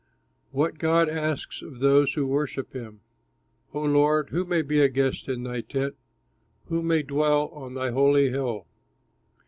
WHAT GOD ASKS OF THOSE WHO WORSHIP HIM O Lord, who may be a guest in thy tent? Who may dwell on thy holy hill?